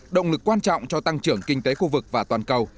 động lực quan trọng cho tăng trưởng kinh tế khu vực và toàn cầu